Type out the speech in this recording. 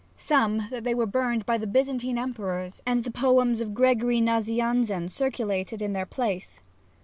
Some that they were burned by the Byzan tine emperors and the poems of Gregory Nazianzen circulated in their place.